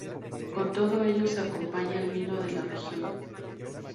Con todo ello se acompaña el vino de la región.